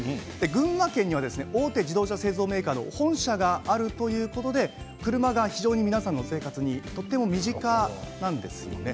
群馬県には大手自動車製造メーカーの本社があるということで車が皆さんの生活にとても身近なんですよね。